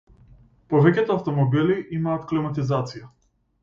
Повеќето автомобили имаат климатизација.